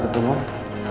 kepada jaksa penuntut umum